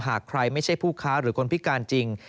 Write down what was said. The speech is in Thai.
หากใครไม่ใช่ผู้ค้าหรือคนพิการจริง